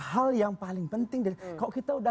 hal yang paling penting kalau kita udah